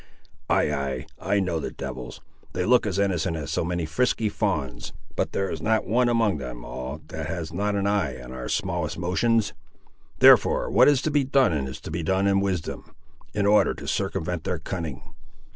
Ay, ay, I know the devils; they look as innocent as so many frisky fawns, but there is not one among them all that has not an eye on our smallest motions. Therefore, what is to be done is to be done in wisdom, in order to circumvent their cunning.